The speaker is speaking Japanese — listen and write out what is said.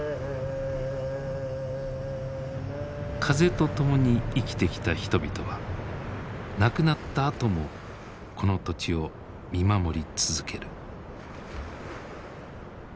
風と共に生きてきた人々は亡くなったあともこの土地を見守り続ける。